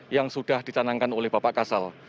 yang sudah dicanangkan oleh bapak kasal